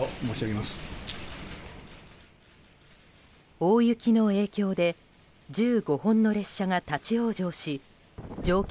大雪の影響で１５本の列車が立ち往生し乗客